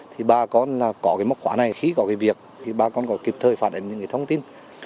thì bà con là có cái móc khóa này khi có cái việc thì bà con có kịp thời phản ánh những cái thông tin